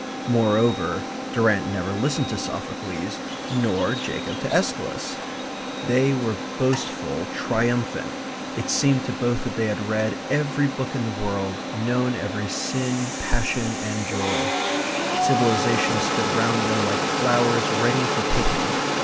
Moreover, Durrant never listened to Sophocles, nor Jacob to Aeschylus. They were boastful, triumphant; it seemed to both that they had read every book in the world; known every sin, passion, and joy. Civilizations stood round them like flowers ready for picking.